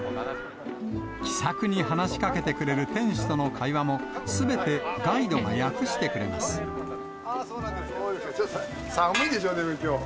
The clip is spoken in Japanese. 気さくに話しかけてくれる店主との会話も、すべてガイドが訳してちょっと寒いでしょう、きょう。